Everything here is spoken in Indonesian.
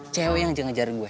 cewek yang ngejar gue